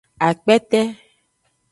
Akpete.